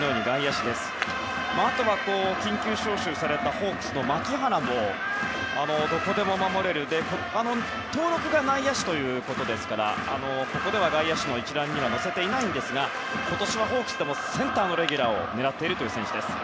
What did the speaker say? あとは、緊急招集されたホークスの牧原もどこでも守れて登録が内野手ということですから今のは外野手の一覧には載せていませんが今年はホークスでもセンターのレギュラーを狙っているという選手です。